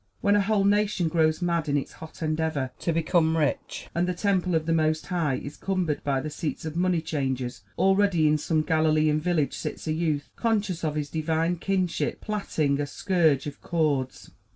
When a whole nation grows mad in its hot endeavor to become rich, and the Temple of the Most High is cumbered by the seats of money changers, already in some Galilean village sits a youth, conscious of his Divine kinship, plaiting a scourge of cords.